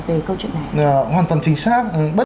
về câu chuyện này hoàn toàn chính xác